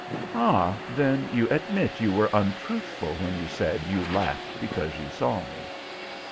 "Ah, then you admit you were untruthful when you said you laughed because you saw me?"